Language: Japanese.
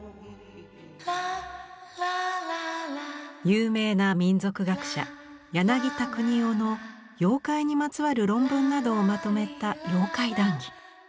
有名な民俗学者柳田國男の妖怪にまつわる論文などをまとめた「妖怪談義」。